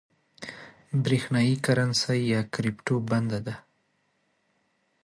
برېښنايي کرنسۍ یا کريپټو بنده ده